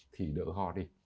thì đỡ hò đi